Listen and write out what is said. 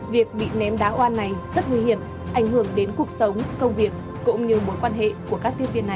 việc bị ném đá oan này rất nguy hiểm ảnh hưởng đến cuộc sống công việc cũng như mối quan hệ của các tiếp viên này